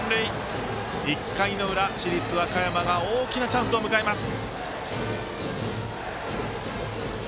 １回の裏、市立和歌山が大きなチャンスを迎えます。